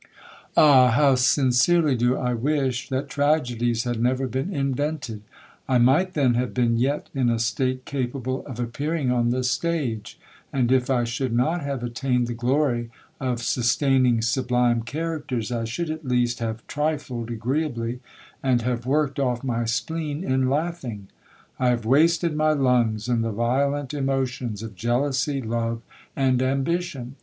"Ah! how sincerely do I wish that tragedies had never been invented! I might then have been yet in a state capable of appearing on the stage; and if I should not have attained the glory of sustaining sublime characters, I should at least have trifled agreeably, and have worked off my spleen in laughing! I have wasted my lungs in the violent emotions of jealousy, love, and ambition.